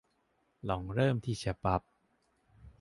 ลองเริ่มที่ฉบับ